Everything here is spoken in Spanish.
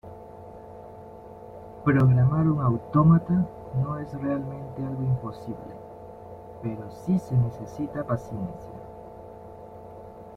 Programar un autómata no es realmente algo imposible, pero sí se necesita paciencia.